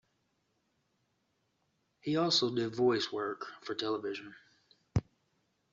He also did voice-over work for television.